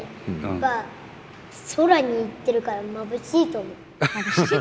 ばあ空に行ってるからまぶしいと思う。